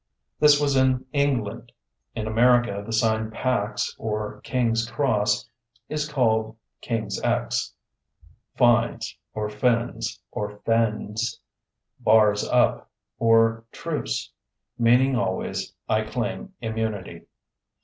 This was in England. In America the sign "Pax," or "King's cross," is called "King's X," "Fines" or "Fins" or "Fends," "Bars up" or "Truce," meaning always, "I claim immunity."